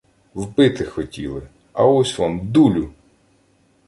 Вбити хотіли. А ось вам – дулю!